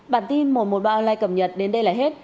bản tin một trăm một mươi ba online cập nhật đến đây là hết